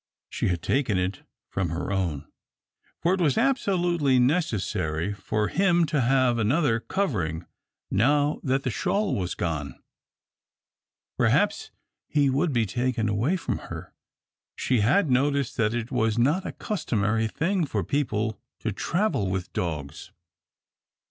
She had taken it from her own, for it was absolutely necessary for him to have another covering now that the shawl was gone. Perhaps he would be taken away from her. She had noticed that it was not a customary thing for people to travel with dogs.